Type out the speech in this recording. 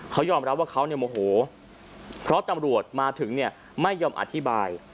เขายอมรับว่าเขาเนี่ยโมโหเพราะตำรวจมาถึงเนี่ยไม่ยอมอธิบาย